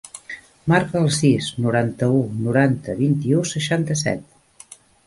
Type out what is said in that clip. Marca el sis, noranta-u, noranta, vint-i-u, seixanta-set.